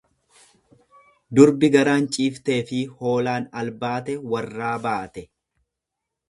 Durbi garaan ciifteefi hoolaan albaate warraa baate.